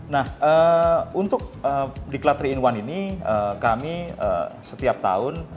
nah untuk diklat tiga in satu ini kami setiap tahun